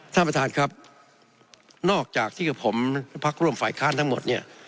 ท่านประธานครับนอกจากที่กับผมพักร่วมฝ่ายค้านทั้งหมดเนี่ย